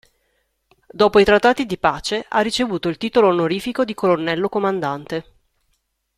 Dopo i trattati di pace, ha ricevuto il titolo onorifico di colonnello comandante.